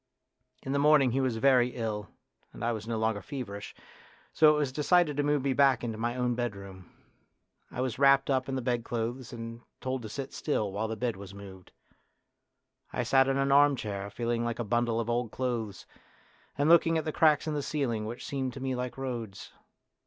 In the morning he was very ill and I was no longer feverish, so it was decided to move me back into my own bedroom. I was wrapped up in the bedclothes and told to sit still while the bed was moved. I sat in an armchair, feeling like a bundle of old clothes, and looking at the cracks in the ceiling which seemed to me like roads.